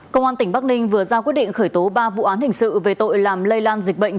công an tỉnh bắc ninh vừa ra quyết định khởi tố ba vụ án hình sự về tội làm lây lan dịch bệnh